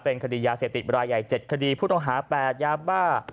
เป็นคดียาเสียติดบรยัยเจ็ดคดีผู้ต้องหาแปดยาบ้า